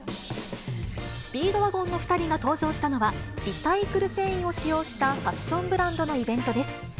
スピードワゴンの２人が登場したのは、リサイクル繊維を使用したファッションブランドのイベントです。